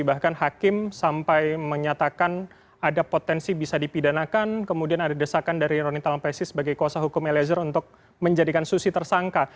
bahkan hakim sampai menyatakan ada potensi bisa dipidanakan kemudian ada desakan dari roni talapesi sebagai kuasa hukum eliezer untuk menjadikan susi tersangka